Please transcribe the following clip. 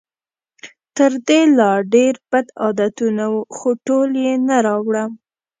تر دې لا ډېر بد عادتونه وو، خو ټول یې نه راوړم.